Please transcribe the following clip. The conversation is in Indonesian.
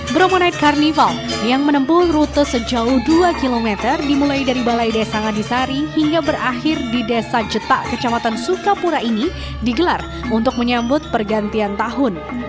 bromo night carnival yang menempuh rute sejauh dua km dimulai dari balai desa ngadisari hingga berakhir di desa cetak kecamatan sukapura ini digelar untuk menyambut pergantian tahun